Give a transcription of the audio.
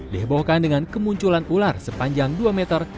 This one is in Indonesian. dihebohkan dengan kemunculan ular sepanjang dua meter